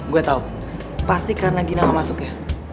gue tau pasti karena gina mau masuk ya